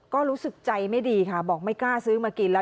ก็รู้สึกใจไม่ดีค่ะบอกไม่กล้าซื้อมากินแล้ว